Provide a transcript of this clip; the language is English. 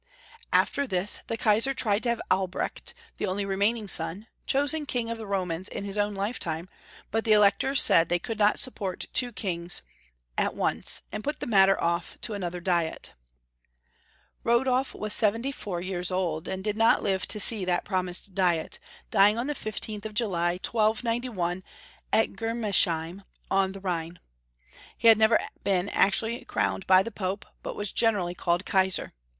After this, the Kaisar tried to have Albrecht, the only remaining son, chosen King of the Romans in his own lifetime, but the electors said they could not support two Bangs at once, and put the matter off to another diet, Rodolf was seventy four years old, and did 200 Young Folks' W^story of Qermany, not live to see that promised diet, dying on the 15th of July, 1291, at Germesheim, on the Rhine. He had never been actually crowned by the Pope, but veas generally called Kaisar.